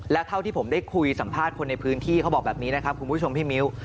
และเท่าที่ผมได้คุยสัมภาษณ์คนในพื้นที่เขาบอกแบบนี้นะครับคุณผู้ชมพี่มิ้ว